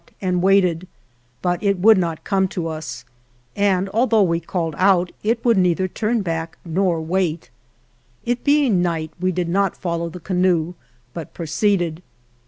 42 ALVAR NUNEZ CABEZA DE VACA and waited, but it would not come to us, and, although we called out, it would neither turn back nor wait. It being night, we did not follow the canoe, but proceeded.